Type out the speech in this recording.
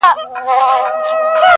پر وزر د توتکۍ به زېری سپور وي٫